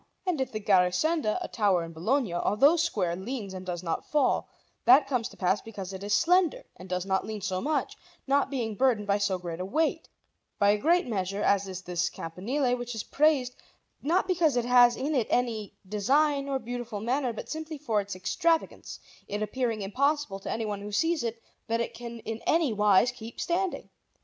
And if the Garisenda, a tower in Bologna, although square, leans and does not fall, that comes to pass because it is slender and does not lean so much, not being burdened by so great a weight, by a great measure, as is this campanile, which is praised, not because it has in it any design or beautiful manner, but simply for its extravagance, it appearing impossible to anyone who sees it that it can in any wise keep standing.